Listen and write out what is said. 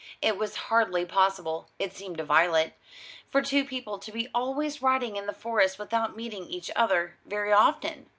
It was hardly possible, it seemed to Violet, for two people to be always riding in the Forest without meeting each other very often.